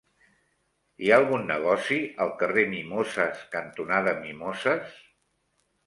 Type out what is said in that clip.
Hi ha algun negoci al carrer Mimoses cantonada Mimoses?